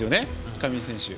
上地選手。